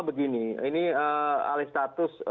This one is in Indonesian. begini ini alih status